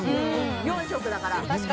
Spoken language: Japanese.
４食だから。